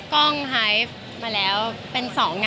คุณก็ไม่รู้อาจจะถืออะไรอย่างนี้